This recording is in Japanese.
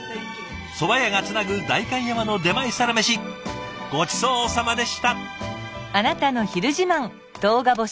そば屋がつなぐ代官山の出前サラメシごちそうさまでした。